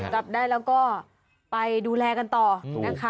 จับได้แล้วก็ไปดูแลกันต่อนะคะ